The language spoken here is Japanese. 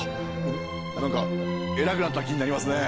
なんかえらくなった気になりますね。